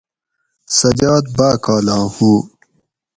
سجاد باۤ کالاں ہُو